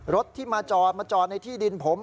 รถที่มาจอดมาจอดในที่ดินผม